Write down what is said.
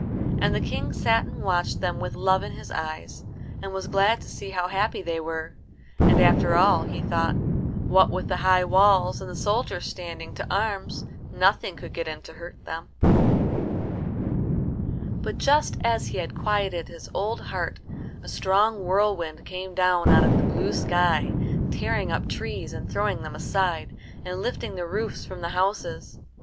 And the King sat and watched them with love in his eyes, and was glad to see how happy they were. And after all, he thought, what with the high walls and the soldiers standing to arms, nothing could get in to hurt them. [Illustration: It caught up the princesses and carried them up into the air.] But just as he had quieted his old heart a strong whirlwind came down out of the blue sky, tearing up trees and throwing them aside, and lifting the roofs from the houses.